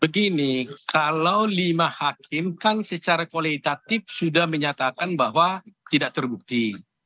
begini kalau lima hakim kan secara kualitatif sudah menyatakan bahwa tidak terbukti